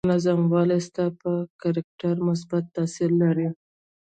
منظم والی ستا پر کرکټر مثبت تاثير لري.